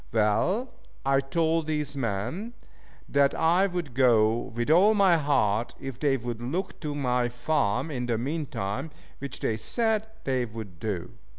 Well, I told these men that I would go with all my heart, if they would look to my farm in the mean time, which they said they would do.